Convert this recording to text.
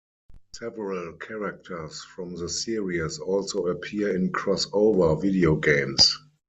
Several characters from the series also appear in crossover video games.